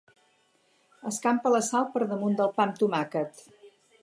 Escampa la sal per damunt del pa amb tomàquet.